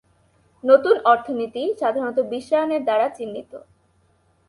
নতুন অর্থনীতি, সাধারণত বিশ্বায়নের দ্বারা চিহ্নিত।